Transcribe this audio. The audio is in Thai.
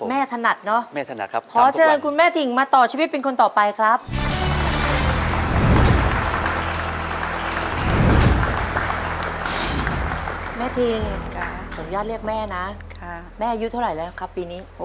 แม่ทิงผมญาติเรียกแม่นะแม่อายุเท่าไหร่แล้วครับปีนี้แม่ทิงผมญาติเรียกแม่นะแม่อายุเท่าไหร่แล้วครับปีนี้